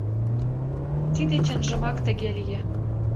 Тиде чынжымак тыге лие.